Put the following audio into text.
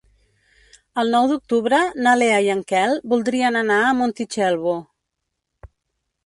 El nou d'octubre na Lea i en Quel voldrien anar a Montitxelvo.